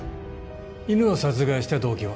犬を殺害した動機は？